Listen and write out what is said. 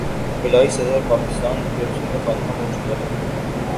بالائی سطح پر پاکستان میں کرپشن کا خاتمہ ہو چکا ہے۔